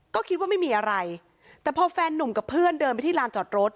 ก็คิดว่าไม่มีอะไรแต่พอแฟนนุ่มกับเพื่อนเดินไปที่ลานจอดรถ